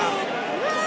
うわ！